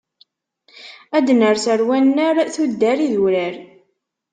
Ad d-ners ar wannar, tuddar idurar.